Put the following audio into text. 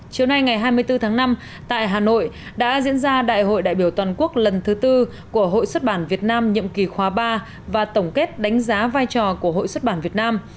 chiều nay ngày hai mươi bốn tháng năm tại hà nội đã diễn ra đại hội đại biểu toàn quốc lần thứ tư của hội xuất bản việt nam nhiệm kỳ khóa ba và tổng kết đánh giá vai trò của hội xuất bản việt nam